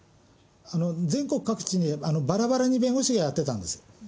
全国各地にばらばらに弁護士がやってたんです。